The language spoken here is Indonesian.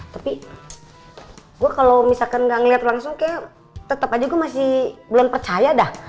tapi gue kalau misalkan gak ngeliat langsung kayak tetep aja gue masih belum percaya dah